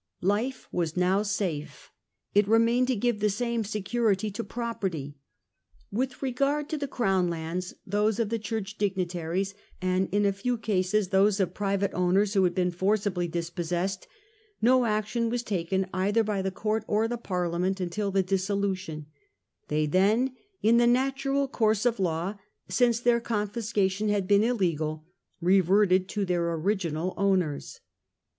Life was now safe ; it remained to give the same security to property. With regard to the Crown lands, •settlement those °f the Church dignitaries, and in a few of the land, cases those of private owners who had been forcibly dispossessed, no action was taken either by the court or the Parliament until the dissolution ; they then in the natural course of law, since their confiscation had been illegal, reverted to their original owners.